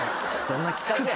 どんな企画や。